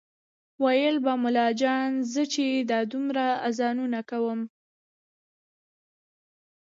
ویل به ملا جان زه چې دا دومره اذانونه کوم